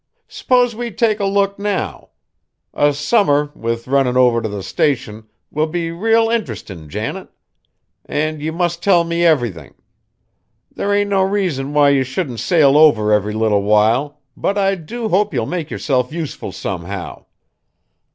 S'pose we take a look now. A summer, with runnin's over t' the Station, will be real interestin', Janet. An' ye must tell me everythin'. There ain't no reason why ye shouldn't sail over every little while, but I do hope ye'll make yerself useful somehow.